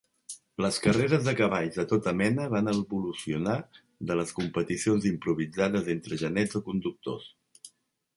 Les carreres de cavalls de tota mena van evolucionar de les competicions improvisades entre genets o conductors.